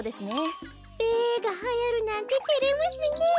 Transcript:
べがはやるなんててれますねえ。